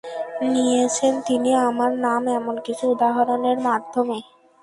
নিয়েছেন তিনি আমার নাম এমন কিছু উদাহরণের মাধ্যমে।